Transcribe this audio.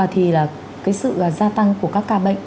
thì là cái sự gia tăng của các ca bệnh